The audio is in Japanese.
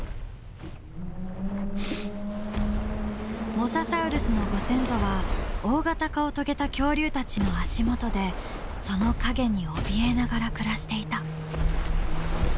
モササウルスのご先祖は大型化を遂げた恐竜たちの足元でその影におびえながら暮らしていた。